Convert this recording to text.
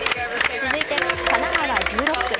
続いて神奈川１６区。